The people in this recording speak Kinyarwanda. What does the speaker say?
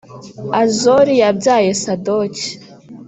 Azori yabyaye Sadoki